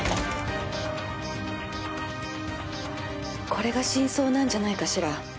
これが真相なんじゃないかしら？